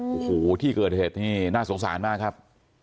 โอ้โหที่เกิดเหตุนี่น่าสงสารมากครับ